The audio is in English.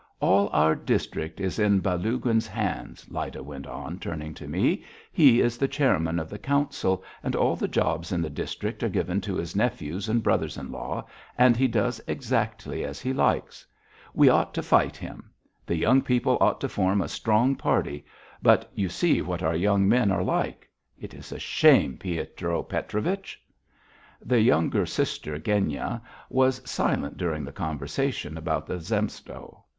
"All our district is in Balaguin's hands," Lyda went on, turning to me. "He is the chairman of the council and all the jobs in the district are given to his nephews and brothers in law, and he does exactly as he likes. We ought to fight him. The young people ought to form a strong party; but you see what our young men are like. It is a shame, Piotr Petrovich." The younger sister, Genya, was silent during the conversation about the Zemstvo.